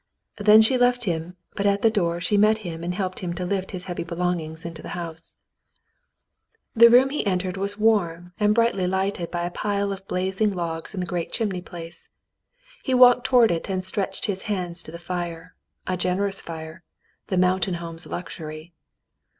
Then she left him, but at the door she met him and helped to Kft his heavy belongings into the house. 12 The Mountain Girl The room he entered was warm and brightly lighted by a pile of blazing logs in the great chimneyplace. He walked toward it and stretched his hands to the fire — a generous fire — the mountain home's luxury.